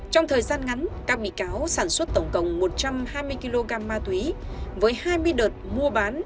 trong thời gian ngắn các bị cáo sản xuất tổng cộng một trăm hai mươi kg ma túy với hai mươi đợt mua bán